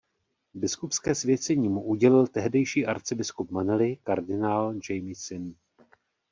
Biskupské svěcení mu udělil tehdejší arcibiskup Manily kardinál Jaime Sin.